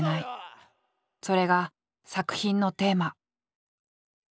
それが作品のテーマ。